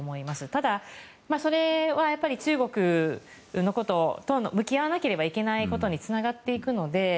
ただそれは、中国と向き合わなければいけないことにつながっていくので。